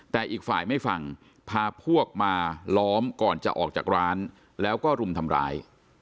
แต่อีกฝ่ายไม่ฟังพาพวกมาล้อมก่อนจะออกจากร้านแล้วก็รุมทำร้าย